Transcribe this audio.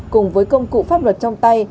cùng với công cụ pháp luật trong tay